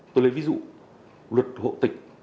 tôi lấy ví dụ luật hộ tịch